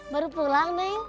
baru pulang neng